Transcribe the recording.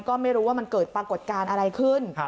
ก็ไม่รู้ว่ามันเกิดปรากฏการณ์อะไรขึ้น